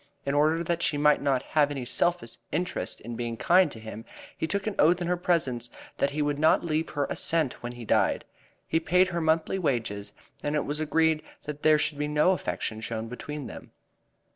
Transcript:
In order that she might not have any selfish interest in being kind to him, he took an oath in her presence that he would not leave her a cent when he died. He paid her monthly wages and it was agreed that there should be no affection shown between them.